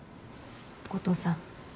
後藤さん。